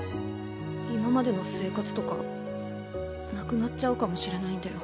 今までの生活とかなくなっちゃうかもしれないんだよ。